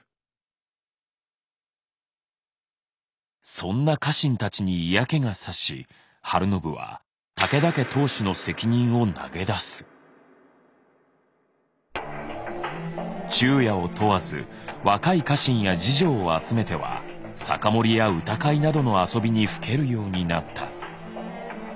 そんな家臣たちに嫌気が差し晴信は武田家当主の昼夜を問わず若い家臣や侍女を集めては酒盛りや歌会などの遊びにふけるようになった。